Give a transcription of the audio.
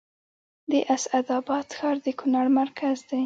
د اسعد اباد ښار د کونړ مرکز دی